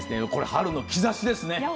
春の兆しですね。